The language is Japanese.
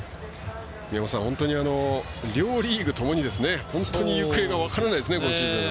宮本さん、両リーグともに本当に行方が分からないですね。